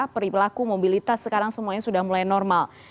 perilaku mobilitas sekarang semuanya sudah mulai normal